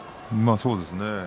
そうですね。